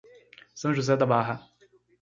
São José da Barra